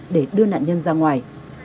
để đưa nạn nhân ra ngoài